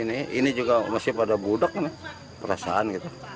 ini juga masih pada budak perasaan